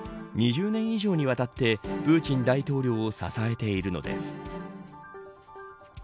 ２０年以上にわたってプーチン大統領を支えているのです。